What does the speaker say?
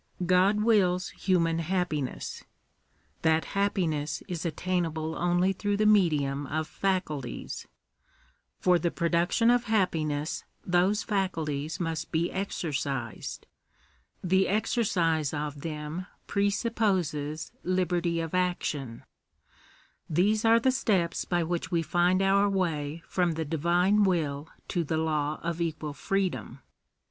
God wills human happiness; that happiness is attainable only through the me dium of faculties ; for the production of happiness those facul ties must be exercised ; the exercise of them pre supposes liberty of action: these are the steps by which we find our way from the Divine will to the law of equal freedom.